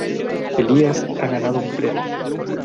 ¡Elías ha ganado un premio!